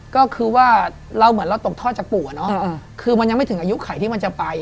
ก็คือว่าเราตกท่อจากปูเลี้ยวนะ